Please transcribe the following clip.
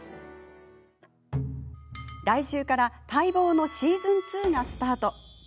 来週から待望の「しずん２」がスタート。